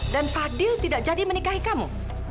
dan fadil tidak jadi menikahi kamu